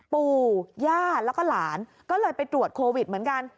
ปู่ย่าแล้วก็หลานก็เลยไปตรวจโควิดเหมือนกัน